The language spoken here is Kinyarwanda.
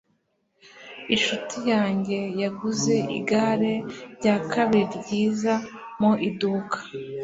inshuti yanjye yaguze igare rya kabiri ryiza mu iduka